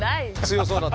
強そうな。